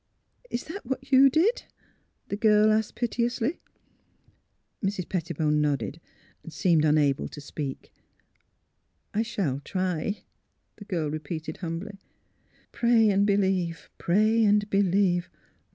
" Is that wliat you did? " asked the girl, pite ously. Mrs. Pettibone nodded. She seemed unable to speak. " I shall try," the girl repeated, humbly. ^' Pray and believe. Pray and believe.